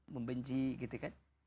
membenci gitu kan